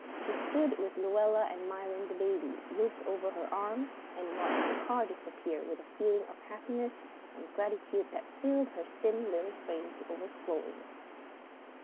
She stood with Luella and Myron, the baby looped over her arm, and watched the car disappear with a feeling of happiness and gratitude that filled her thin little frame to overflowing.